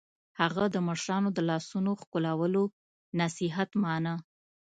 هغه د مشرانو د لاسونو ښکلولو نصیحت مانه